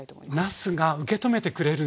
なすが受け止めてくれるんですね。